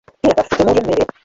Ye abaffe, temuulye mmere?